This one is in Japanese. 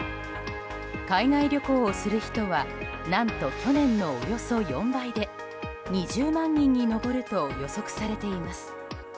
海外旅行をする人は何と去年のおよそ４倍で２０万人に上ると予測されています。